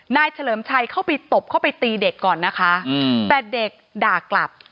เฉลิมชัยเข้าไปตบเข้าไปตีเด็กก่อนนะคะแต่เด็กด่ากลับ